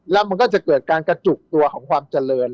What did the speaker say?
แล้วมันก็จะเกิดการกระจุกตัวของความเจริญ